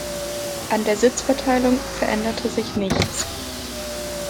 An der Sitzverteilung veränderte sich nichts.